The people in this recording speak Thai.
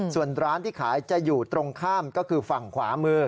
ส่วนร้านที่ขายจะอยู่ตรงข้ามก็คือฝั่งขวามือ